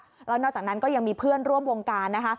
แล้วนอกจากนั้นก็ยังมีเพื่อนร่วมวงการนะคะ